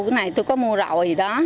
cái này tôi có mua rồi